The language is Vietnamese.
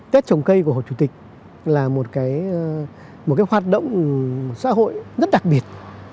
tết trồng cây của hồ chủ tịch là một cái hoạt động xã hội rất đặc biệt